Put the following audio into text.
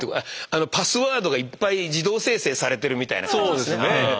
パスワードがいっぱい自動生成されてるみたいな感じですね。